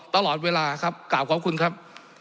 ตลอดเวลาขอบขอบคุณครับ